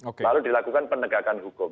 lalu dilakukan penegakan hukum